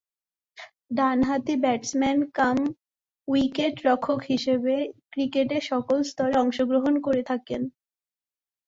ডানহাতি batsman cum উইকেট-রক্ষক হিসেবে ক্রিকেটের সকল স্তরে অংশগ্রহণ করে থাকেন।